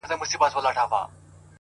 چي در رسېږم نه’ نو څه وکړم ه ياره’